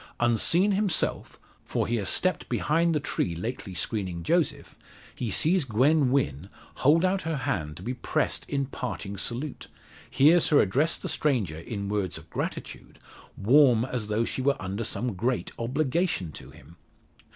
Unseen himself for he has stepped behind the tree lately screening Joseph he sees Gwen Wynn hold out her hand to be pressed in parting salute hears her address the stranger in words of gratitude, warm as though she were under some great obligation to him!